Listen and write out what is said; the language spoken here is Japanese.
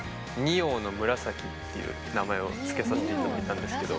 という名前を付けさせていただいたんですけど。